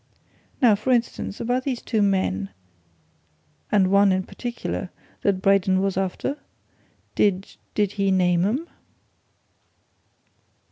Now, for instance, about these two men and one in particular that Braden was after? Did did he name 'em?"